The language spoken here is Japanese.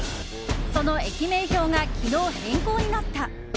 その駅名標が昨日変更になった。